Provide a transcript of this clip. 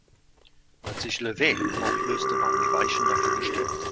Als sich "Le’veil" auflöste, waren die Weichen dafür gestellt.